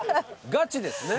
ガチですね。